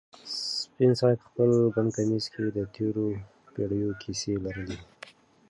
سپین سرې په خپل ګڼ کمیس کې د تېرو پېړیو کیسې لرلې.